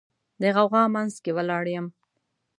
د غوغا منځ کې ولاړ یم